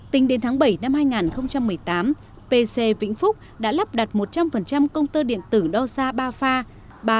tính đến tháng bảy năm hai nghìn một mươi tám pc vĩnh phúc đã lắp đặt một trăm linh công tơ điện tử đosha ba pha